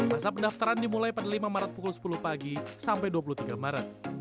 masa pendaftaran dimulai pada lima maret pukul sepuluh pagi sampai dua puluh tiga maret